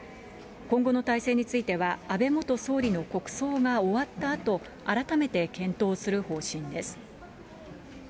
今後の体制については、安倍元総理の国葬が終わったあと、改めて検討する方針です。